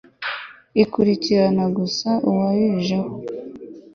ikurikirana gusa uwayiyenjeho